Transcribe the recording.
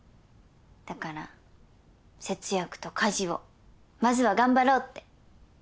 だから節約と家事をまずは頑張ろうって。